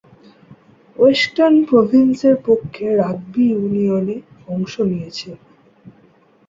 Western প্রভিন্সের পক্ষে rugby ইউনিয়নে অংশ নিয়েছেন।